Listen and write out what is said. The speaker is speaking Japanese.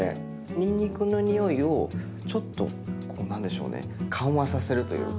にんにくの匂いをちょっとこう何でしょうね緩和させるというか。